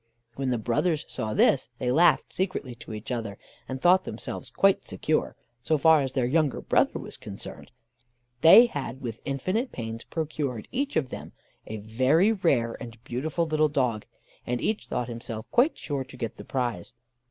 When the brothers saw this, they laughed secretly to each other, and thought themselves quite secure, so far as their younger brother was concerned. They had, with infinite pains, procured each of them a very rare and beautiful little dog, and each thought himself quite sure to get the prize.